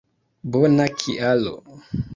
Bona kialo